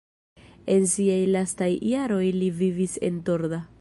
En siaj lastaj jaroj li vivis en Torda.